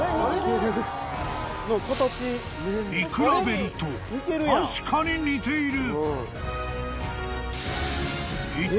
［見比べると確かに似ている］